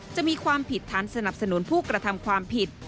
จะมีความผิดฐานสนับสนุนผู้กระทำความผิด